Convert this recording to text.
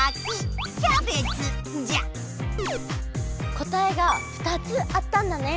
答えが２つあったんだね。